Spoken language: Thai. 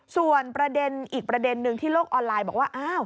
ส่วนประเด็นอีกประเด็นนึงที่โลกออนไลน์บอกว่า